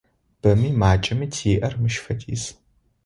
Бэми макӏэми тиӏэр мыщ фэдиз.